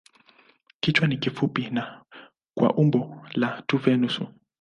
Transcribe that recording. Kichwa ni kifupi na kwa umbo la tufe nusu.